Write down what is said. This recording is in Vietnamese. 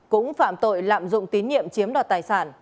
cũng phạm tội lạm dụng tín nhiệm chiếm đoạt tài sản